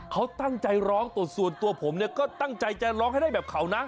เขาตั้งใจร้องแต่ส่วนตัวผมเนี่ยก็ตั้งใจจะร้องให้ได้แบบเขานะ